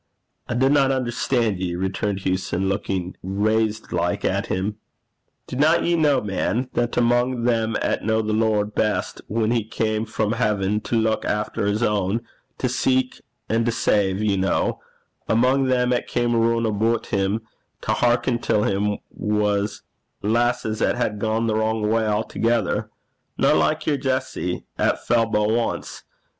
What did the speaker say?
'I dinna unnerstan' ye,' returned Hewson, looking raised like at him. 'Dinna ye ken, man, that amo' them 'at kent the Lord best whan he cam frae haiven to luik efter his ain to seek and to save, ye ken amo' them 'at cam roon aboot him to hearken till 'im, was lasses 'at had gane the wrang gait a'thegither, no like your bonnie Jessie 'at fell but ance.